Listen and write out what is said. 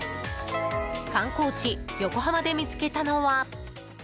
観光地・横浜で見つけたのは。